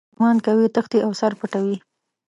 ګومان کوي تښتي او سر پټوي.